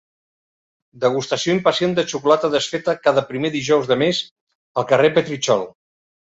Degustació impacient de xocolata desfeta cada primer dijous de mes al carrer Petritxol.